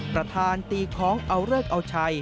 ประธานตีของเอาเลิกเอาชัย